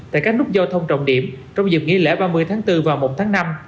tại các nút giao thông trọng điểm trong dịp nghỉ lễ ba mươi tháng bốn và một tháng năm